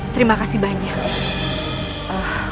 terima kasih banyak